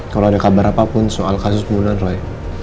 kalo ada kabar apapun soal kasus kebunan roy